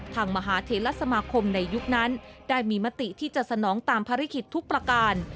มหาเทลสมาคมในยุคนั้นได้มีมติที่จะสนองตามภารกิจทุกประการ